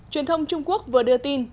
truyền thông trung quốc vừa đưa tin